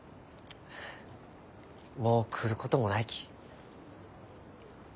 もう来ることもないき。